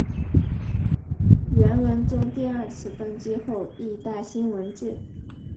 元文宗第二次登基后亦大兴文治。